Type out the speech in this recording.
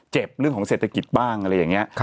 เรื่องของเศรษฐกิจบ้างอะไรอย่างนี้